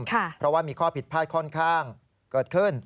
เพราะว่ามีข้อผิดพลาดค่อนข้างเกิดขึ้น